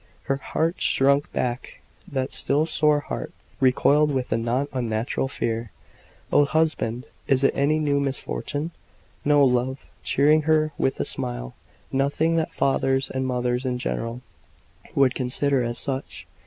Her heart shrunk back that still sore heart! recoiled with a not unnatural fear. "Oh, husband, is it any new misfortune?" "No, love," cheering her with a smile; "nothing that fathers and mothers in general would consider as such.